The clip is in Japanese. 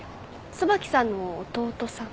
椿さんの弟さん？